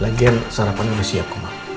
lagian sarapan udah siap kok